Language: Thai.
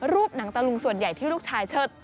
รูปหนังตะลุงส่วนใหญ่ที่ลูกชายเชิด